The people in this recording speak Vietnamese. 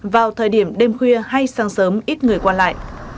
vào thời điểm đêm khuya hay sáng sớm ít người qua lại